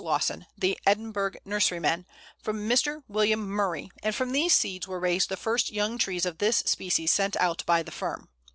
Lawson, the Edinburgh nurserymen, from Mr. William Murray, and from these seeds were raised the first young trees of this species sent out by the firm.